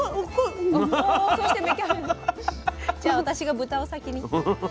じゃあ私が豚を先に。